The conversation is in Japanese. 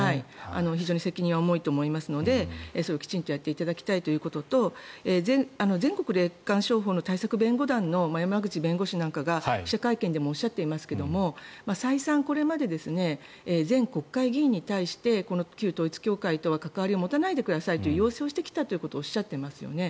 非常に責任は重いと思いますのでそれをきちんとやっていただきたいということと全国霊感商法対策弁護団の山口弁護士なんかが記者会見でもおっしゃっていますが再三これまで旧統一教会との関わりを持たないで下さいという要請をしてきたということをおっしゃっていますよね。